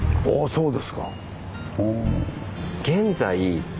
そうですか。